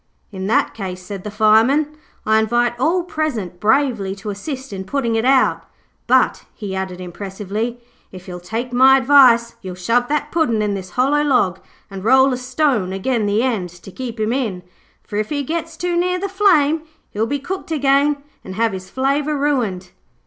'In that case,' said the Fireman, 'I invite all present bravely to assist in putting it out. But,' he added impressively, 'if you'll take my advice, you'll shove that Puddin' in this hollow log and roll a stone agen the end to keep him in, for if he gets too near the flames he'll be cooked again and have his flavour ruined.'